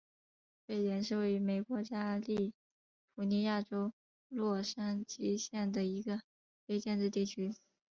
沸点是位于美国加利福尼亚州洛杉矶县的一个非建制地区。